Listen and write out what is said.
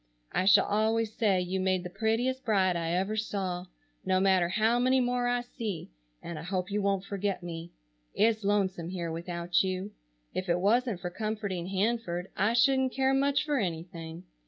I shall always say you made the prettiest bride I ever saw, no matter how many more I see, and I hope you won't forget me. It's lonesome here without you. If it wasn't for comforting Hanford I shouldn't care much for anything.